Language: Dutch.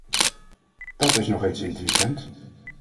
Dat is nog eens intelligent!